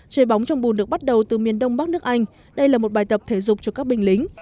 chơi bóng trong bùn được bắt đầu từ miền đông bắc nước anh đây là một bài tập thể dục cho các binh lính